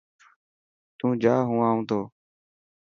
تو جا هون آنو ٿو.